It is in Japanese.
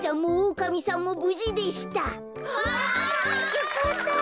よかった。